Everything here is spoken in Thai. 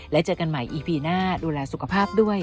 และเจอกันใหม่อีพีหน้าดูแลสุขภาพด้วย